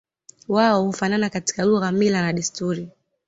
Wao hufanana katika lugha mila na desturi